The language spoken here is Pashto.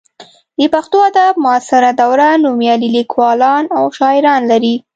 د پښتو ادب معاصره دوره نومیالي لیکوالان او شاعران لري.